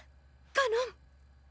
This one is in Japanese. かのん！